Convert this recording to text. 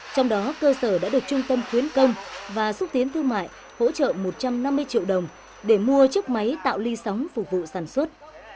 trong đó cơ sở đã được trung tâm khuyến công và xúc tiến thương mại hỗ trợ một trăm năm mươi triệu đồng để mua chiếc máy tạo ly sóng phục vụ sản xuất